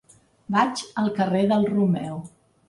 Vaig al carrer del Romeu.